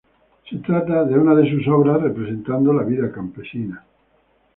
Se trata de una de sus obras representando la vida campesina.